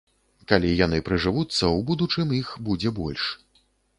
Калі яны прыжывуцца, у будучым іх будзе больш.